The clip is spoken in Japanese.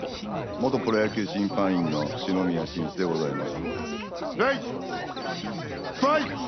・元プロ野球審判員の篠宮愼一でございます。